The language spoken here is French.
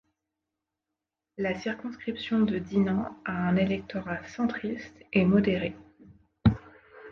La circonscription de Dinan a un électorat centriste et modéré.